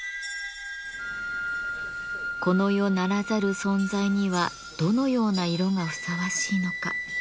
この世ならざる存在にはどのような色がふさわしいのか。